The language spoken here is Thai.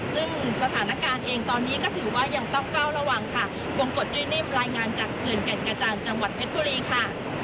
ซึ่งสถานการณ์เองตอนนี้ก็ถือว่ายังต้องเฝ้าระวังค่ะวงกฎจุ้ยนิ่มรายงานจากเขื่อนแก่นกระจานจังหวัดเพชรบุรีค่ะ